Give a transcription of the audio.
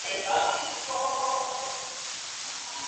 El eslogan de la señal era ""Un canal fuera de serie"".